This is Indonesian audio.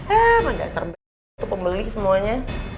emang gak serba untuk pembeli semuanya